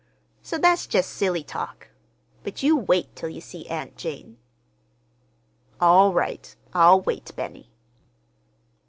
So that's just silly talk. But you wait till you see Aunt Jane." "All right. I'll wait, Benny."